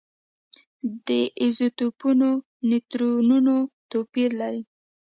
د ایزوټوپونو نیوټرونونه توپیر لري.